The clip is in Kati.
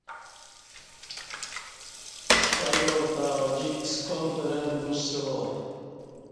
شٹل وارتہ ا جیک سکال برنگ گوسہ با